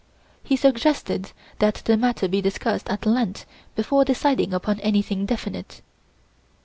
He suggested that the matter be discussed at length before deciding upon anything definite.